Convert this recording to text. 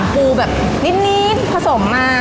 ปูแบบนิดผสมมา